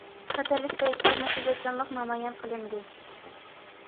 خەتەرلىك پەيتتە مەسئۇلىيەتچانلىق نامايان قىلىندى.